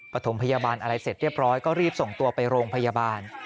ปฐมพยาบาลอะไรเสร็จเรียบร้อยก็รีบส่งตัวไปโรงพยาบาล